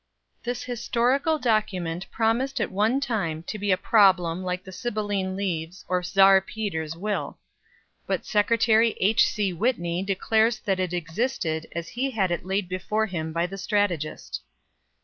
This historical document promised at one time to be a problem like the Sibilline Leaves or Czar Peter's will. But Secretary H. C. Whitney declares that it existed as he had it laid before him by the strategist.